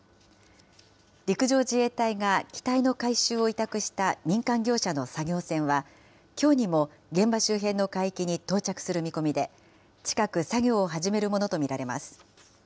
陸上自衛隊が機体の回収を委託した民間業者の作業船は、きょうにも現場周辺の海域に到着する見込みで、近く、作業を始めるものと見られます。